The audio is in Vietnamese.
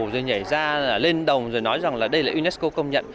rồi nhảy ra lên đồng rồi nói rằng là đây là unesco công nhận